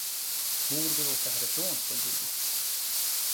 Mor vill åka härifrån, sade Judith.